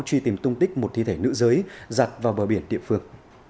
truy tìm tung tích một thi thể nữ giới giặt vào bờ biển tiệm phược